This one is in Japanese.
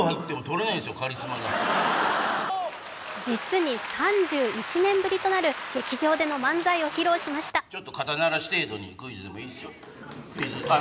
実に３１年ぶりとなる劇場での漫才を披露しました。